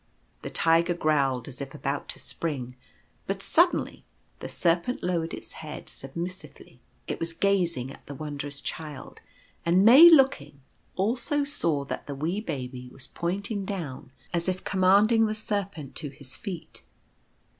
The Tiger growled as if about to spring ; but suddenly the Serpent lowered its head submissively. It was gazing at the Wondrous Child ; and May looking, also saw that the wee Baby was pointing down as if commanding the Serpent to his feet.